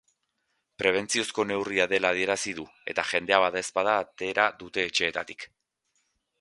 Prebentziozko neurria dela adierazi du, eta jendea badaezpada atera dute etxeetatik.